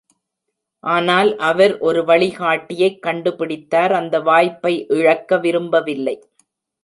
ஆனால் அவர் ஒரு வழிகாட்டியைக் கண்டுபிடித்தார், அந்த வாய்ப்பை இழக்க விரும்பவில்லை.